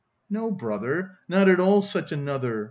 "No, brother, not at all such another.